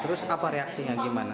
terus apa reaksinya gimana